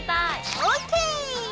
ＯＫ！